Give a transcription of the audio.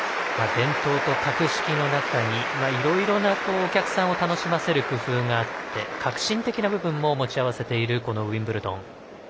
伝統と格式の中にいろいろとお客さんを楽しませる工夫があって革新的な部分も持ち合わせているウィンブルドン。